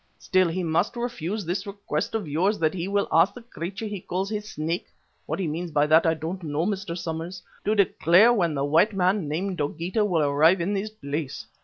Still he must refuse this request of yours, that he will ask the creature he calls his Snake what he means by that, I don't know, Mr. Somers to declare when the white man, named Dogeetah, will arrive in this place.